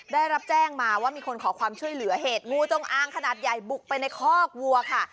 ได้รับแจ้งมาว่ามีคนขอความช่วยเหลือเหตุงูจงอางขนาดใหญ่บุกไปในคอกวัวค่ะ